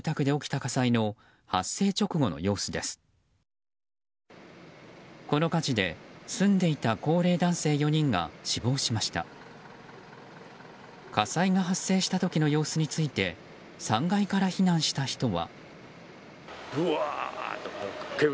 火災が発生した時の様子について３階から避難した人は。